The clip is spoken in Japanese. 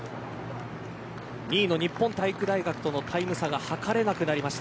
２位の日本体育大学とのタイム差が計れなくなりました。